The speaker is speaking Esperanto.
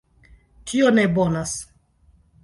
Tio ne bonas!